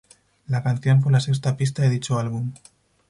La canción fue la sexta pista de dicho álbum.